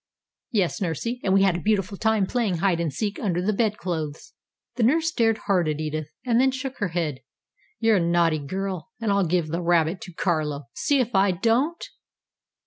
"Yes, Nursy, and we had a beautiful time playing hide and seek under the bedclothes." The nurse stared hard at Edith, and then shook her head. "You're a naughty girl, and I'll give the rabbit to Carlo. See if I don't?"